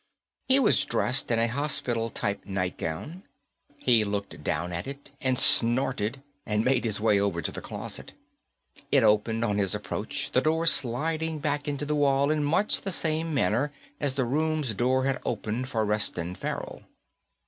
He was dressed in a hospital type nightgown. He looked down at it and snorted and made his way over to the closet. It opened on his approach, the door sliding back into the wall in much the same manner as the room's door had opened for Reston Farrell.